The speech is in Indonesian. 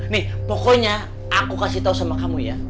nih pokoknya aku kasih tahu sama kamu ya